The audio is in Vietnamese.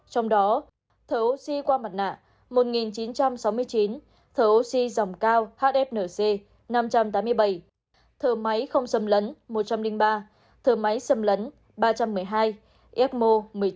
trong đó thở oxy qua mặt nạ một chín trăm sáu mươi chín thở oxy dòng cao hfnc năm trăm tám mươi bảy thở máy không sầm lấn một trăm linh ba thở máy sầm lấn ba trăm một mươi hai ecmo một mươi chín